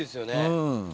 うん。